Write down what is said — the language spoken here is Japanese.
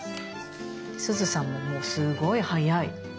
すずさんももうすごい速い。